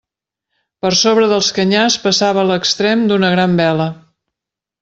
Per sobre dels canyars passava l'extrem d'una gran vela.